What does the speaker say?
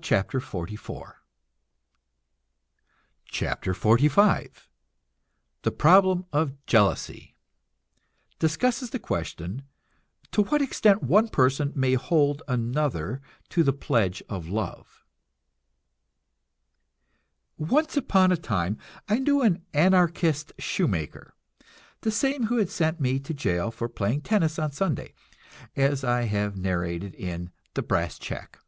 CHAPTER XLV THE PROBLEM OF JEALOUSY (Discusses the question, to what extent one person may hold another to the pledge of love.) Once upon a time I knew an Anarchist shoemaker, the same who had me sent to jail for playing tennis on Sunday, as I have narrated in "The Brass Check."